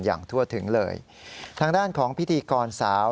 อย่างทั่วถึงเลยทางด้านของพิธีกรสาว